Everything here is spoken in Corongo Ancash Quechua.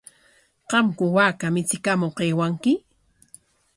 ¿Qamku waaka michikamuq aywanki?